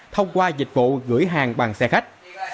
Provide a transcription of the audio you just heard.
thông qua dịch vụ gửi hàng bằng xe khách